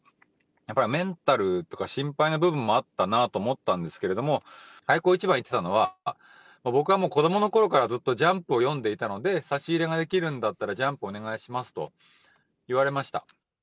やっぱりメンタルとか、心配な部分もあったなと思ったんですけれども、開口一番言ってたのは、僕はもう、子どものころからずっとジャンプを読んでいたので、差し入れができるんだったら、ジャンプお願いしますと言われました。